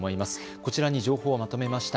こちらに情報をまとめました。